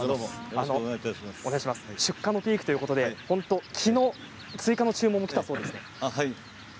出荷のピークということできのう追加の注文がきたそうですね。